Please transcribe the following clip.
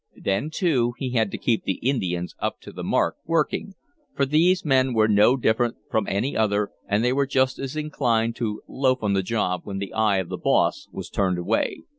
Then, too, he had to keep the Indians up to the mark working, for these men were no different from any other, and they were just as inclined to "loaf on the job" when the eye of the "boss" was turned away.